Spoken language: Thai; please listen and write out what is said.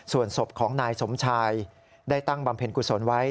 ส่วนศพของนายสมชายได้ตั้งบำเพ็ญกุศลไว้